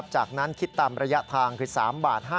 จากนั้นคิดภาคประสบความทรมาก